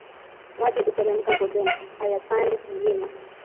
Maji huteremka bondeni, hayapandi mlima